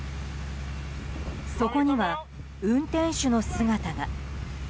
そこには運転手の姿が。